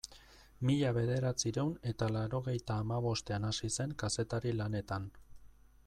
Mila bederatziehun eta laurogeita hamabostean hasi zen kazetari lanetan.